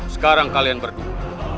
sekarang kalian berdua